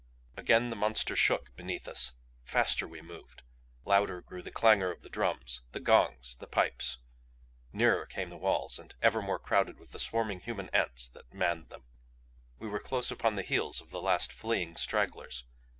Again the monster shook beneath us. Faster we moved. Louder grew the clangor of the drums, the gongs, the pipes. Nearer came the walls; and ever more crowded with the swarming human ants that manned them. We were close upon the heels of the last fleeing stragglers.